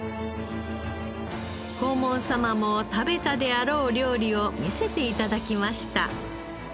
黄門様も食べたであろう料理を見せて頂きました。